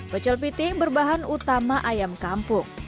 pecel piting berbahan utama ayam kampung